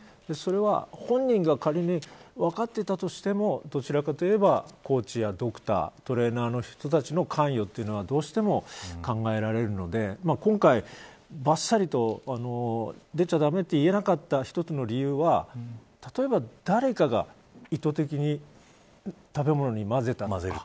それは、本人が仮に分かっていたとしてもどちらかといえばコーチやドクタートレーナーの人たちの関与というのはどうしても考えられるので今回、ばっさりと出ちゃだめと言えなかった１つの理由は例えば、誰かが意図的に食べ物に混ぜた。